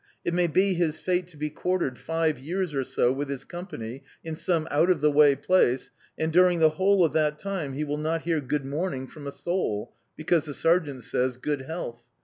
It may be his fate to be quartered five years or so with his company in some out of the way place, and during the whole of that time he will not hear "good morning" from a soul (because the sergeant says "good health").